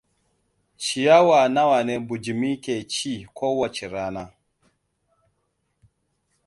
Ciyawa nawa ne bujimi ke ci kowace rana?